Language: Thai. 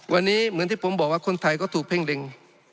วันนี้เหมือนที่ผมบอกว่าคนไทยก็ถูกเพ่งเล็ง